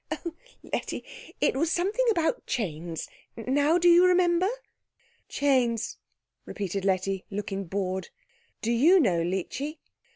"Oh, Letty it was something about chains. Now do you remember?" "Chains?" repeated Letty, looking bored. "Do you know, Leechy?"